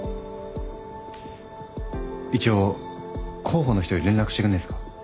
一応広報の人に連絡してくんねえっすか？